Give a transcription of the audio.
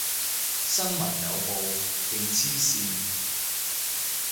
新聞有報，勁黐線